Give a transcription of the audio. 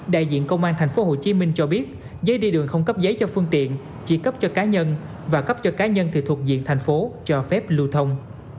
đại diện công an tp hcm cho biết giấy đi đường không cấp giấy cho phương tiện chỉ cấp cho cá nhân và cấp cho cá nhân thì thuộc diện thành phố cho phép lưu thông